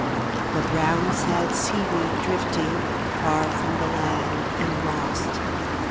The brown sad sea weed drifting Far from the land, and lost.